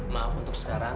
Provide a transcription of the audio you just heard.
maaf untuk sekarang